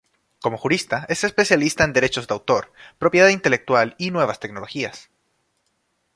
Como jurista es especialista en derechos de autor, propiedad intelectual y nuevas tecnologías.